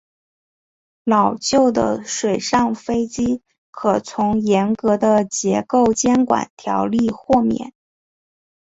老旧的水上飞机可从严格的结构监管条例豁免。